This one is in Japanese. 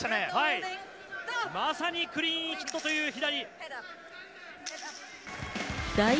まさにクリーンヒットという左。